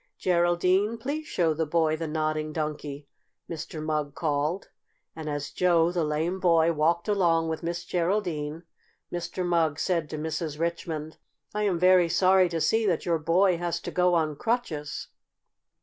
Geraldine, please show the boy the Nodding Donkey," Mr. Mugg called, and as Joe, the lame boy, walked along with Miss Geraldine, Mr. Mugg said to Mrs. Richmond: "I am very sorry to see that your boy has to go on crutches."